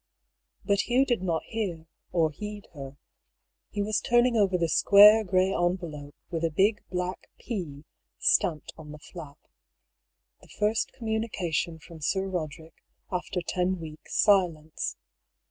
But Hugh did not hear, or heed her. He was turn ing over the square, grey envelope, with a big black P stamped on the flap. The first communication from Sir Roderick after ten weeks' silence.